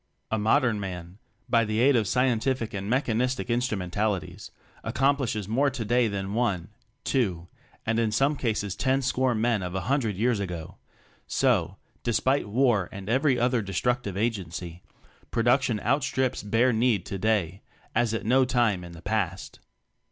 A modern man, by the aid of scienti fic and mechanistic instrumentalities, accomplishes more today than one , two , and in some cases ten score men of a hundred years ago; so, despite war and every other destructive agency, production outstrips bare need today as at no time in the past.